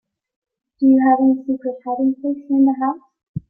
Do you have any secret hiding place here in the house?